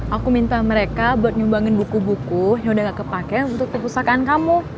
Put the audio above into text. aku minta mereka buat nyumbangin buku buku yang udah gak kepake untuk perpustakaan kamu